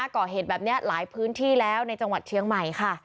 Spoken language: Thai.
ก่อเหตุแบบนี้หลายพื้นที่แล้วในจังหวัดเชียงใหม่ค่ะ